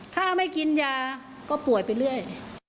ถ้าไม่กินยาก็ป่วยไปเรื่อย